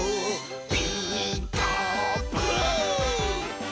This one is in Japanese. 「ピーカーブ！」